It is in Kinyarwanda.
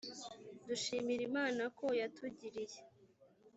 dushimira imana ko yatugiriye